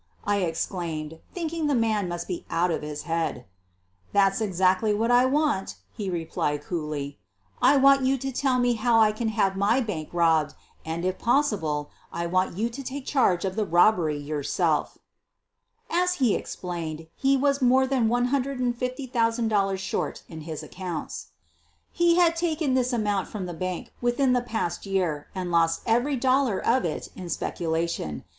I exclaimed, thinking the man must be out of his head. "That's exactly what I want," he replied coolly. "I want you to tell me how I can have my bank robbed, and, if possible, I want you to take charge of the robbery yourself." As he explained, he was more than $150,000 short in his accounts. He had taken this amount from 128 SOPHIE LYONS the bank within the past year and lost every dolla* of it in speculation.